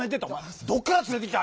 どっからつれてきた？